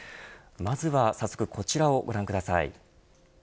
まずは早速こちらをご覧ください。